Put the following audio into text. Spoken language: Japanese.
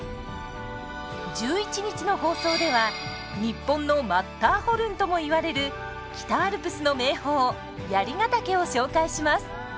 １１日の放送では日本のマッターホルンともいわれる北アルプスの名峰槍ヶ岳を紹介します。